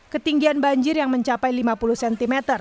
ketinggian banjir yang mencapai lima puluh cm